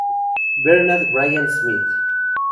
Bernard Bryan Smyth